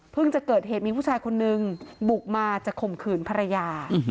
จะเกิดเหตุมีผู้ชายคนนึงบุกมาจะข่มขืนภรรยา